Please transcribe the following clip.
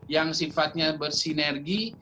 yang sifatnya bersinergi